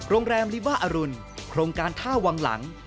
โรงแรมลิบาอรุณโครงการท่าวังหลัง